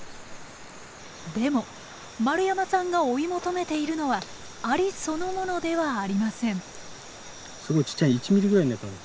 でも丸山さんが追い求めているのはアリそのものではありません。